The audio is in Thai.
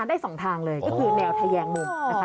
ได้สองทางเลยก็คือแนวทะแยงมุมนะคะ